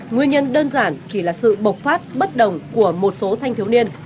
nguyên nhân đơn giản chỉ là sự bộc phát bất đồng của một số thanh thiếu niên